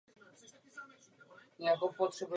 Je předsedou podvýboru pro arabský sektor.